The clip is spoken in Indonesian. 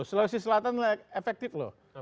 sulawesi selatan efektif loh